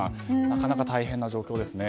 なかなか大変な状況ですね。